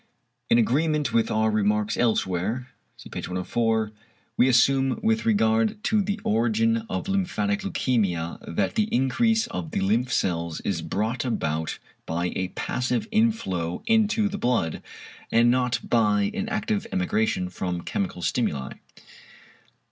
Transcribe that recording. In agreement with our remarks elsewhere (see p. 104), we assume with regard to the origin of lymphatic leukæmia, =that the increase of the lymph cells is brought about by a passive inflow into the blood; and not by an active emigration from chemical stimuli=.